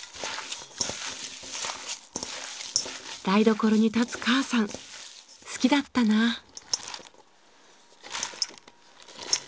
台所に立つ母さん好きだったなあ。